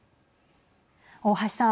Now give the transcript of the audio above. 大橋さん。